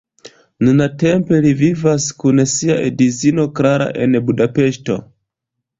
Nuntempe li vivas kun sia edzino Klara en Budapeŝto.